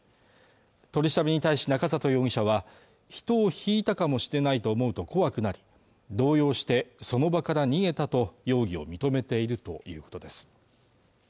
取り調べに対し中里容疑者は人をひいたかもしれないと思うと怖くなり動揺してその場から逃げたと容疑を認めているということです